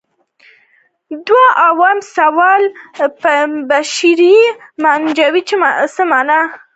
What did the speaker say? دوه اویایم سوال د بشري منابعو په اړه دی.